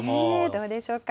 どうでしょうか。